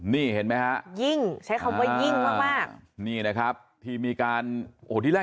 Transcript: นี่เห็นไหมฮะยิ่งใช้คำว่ายิ่งมากมากนี่นะครับที่มีการโอ้โหที่แรก